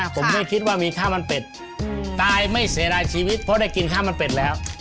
ผมไม่คิดว่ามีข้าวมันเป็ดตายไม่เสียดายชีวิตเพราะได้กินข้าวมันเป็ดแล้ว